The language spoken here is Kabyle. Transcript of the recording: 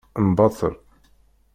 Mbaṭel.